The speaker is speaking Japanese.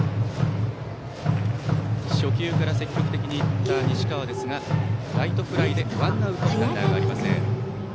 初球から積極的にいった西川ですがライトフライでワンアウトランナーはありません。